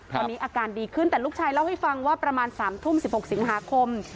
ตอนนี้อาการดีขึ้นแต่ลูกชายเล่าให้ฟังว่าประมาณ๓ทุ่ม๑๖สิงหาคม